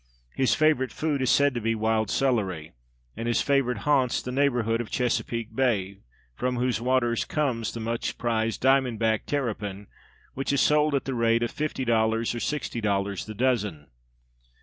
His favourite food is said to be wild celery, and his favoured haunts the neighbourhood of Chesapeake Bay, from whose waters comes the much prized "diamond back" terrapin, which is sold at the rate of 50$ or 60$ the dozen.